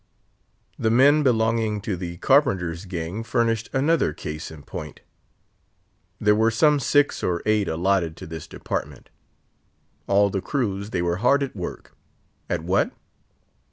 The men belonging to the carpenter's gang furnished another case in point. There were some six or eight allotted to this department. All the cruise they were hard at work. At what?